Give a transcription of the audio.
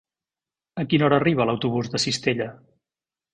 A quina hora arriba l'autobús de Cistella?